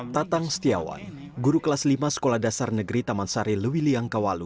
tatang setiawan guru kelas lima sekolah dasar negeri taman sari lewiliang kawalu